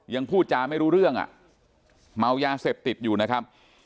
พูดจาไม่รู้เรื่องอ่ะเมายาเสพติดอยู่นะครับ